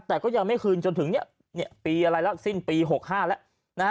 แต่ก็ยังไม่คืนจนถึงปีอะไรแล้วสิ้นปี๖๕แล้ว